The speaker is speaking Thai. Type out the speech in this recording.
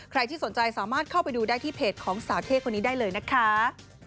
ที่สนใจสามารถเข้าไปดูได้ที่เพจของสาวเท่คนนี้ได้เลยนะคะ